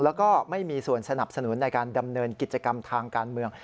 แล้วก็ไม่มีส่วนสนับสนุนในการดำเนินกิจกรรมทางการเมือง